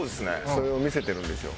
「それを見せてるんでしょ？